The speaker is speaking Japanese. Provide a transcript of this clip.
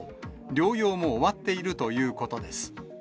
療養も終わっているということです。